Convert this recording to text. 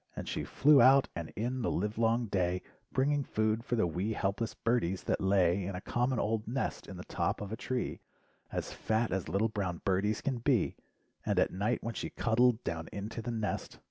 And she flew out and in the live long day Bringing food for the wee helpless birdies that lay In a common old nest in the top of a tree As fat as little brown birdies can be, And at night when she cuddled down into the nest.